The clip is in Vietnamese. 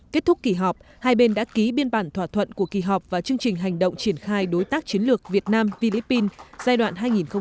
kết thúc kỳ họp hai bên đã ký biên bản thỏa thuận của kỳ họp và chương trình hành động triển khai đối tác chiến lược việt nam philippines giai đoạn hai nghìn một mươi chín hai nghìn hai mươi